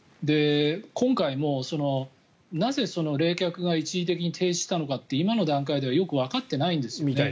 今回もなぜ、冷却が一時的に停止したのかって今の段階ではよくわかっていないんですね。